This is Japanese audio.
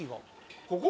ここ？